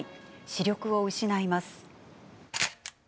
視力を失います。